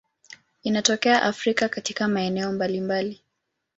Inatokea Afrika katika maeneo mbalimbali.